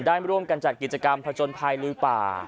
ได้ร่วมกันจัดกิจกรรมผจญภัยลือป่า